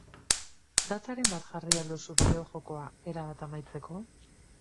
Dataren bat jarri al duzu bideo-jokoa erabat amaitzeko?